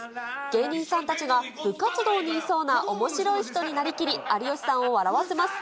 芸人さんたちが部活動にいそうな、おもしろい人になりきり、有吉さんを笑わせます。